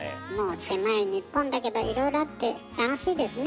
狭い日本だけどいろいろあって楽しいですね。